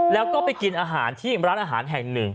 แล้วก็ไปกินอาหารที่ร้านอาหารแห่งหนึ่ง